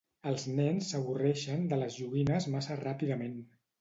Els nens s'avorreixen de les joguines massa ràpidament.